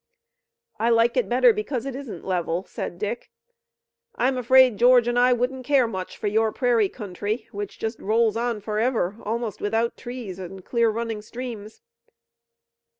"I like it better because it isn't level," said Dick. "I'm afraid George and I wouldn't care much for your prairie country which just rolls on forever, almost without trees and clear running streams."